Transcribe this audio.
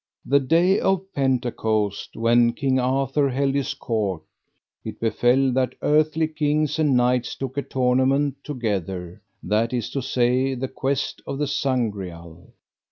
The day of Pentecost, when King Arthur held his court, it befell that earthly kings and knights took a tournament together, that is to say the quest of the Sangreal.